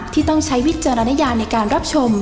ต้องใช้วิจารณญาในการรับชม